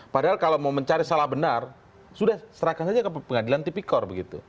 padahal kalau mau mencari salah benar sudah serahkan saja ke pengadilan tipikor begitu